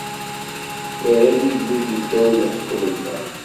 Irra-d igduden ddaw n leḥkem-nneɣ.